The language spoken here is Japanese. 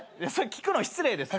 聞くの失礼ですから。